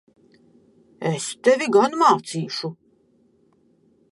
Es tevi gan mācīšu!